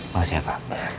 mau siap pak